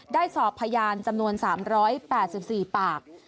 สอบพยานจำนวน๓๘๔ปาก